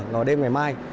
nói đêm ngày mai